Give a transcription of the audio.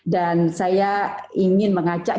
dan saya ingin mengajak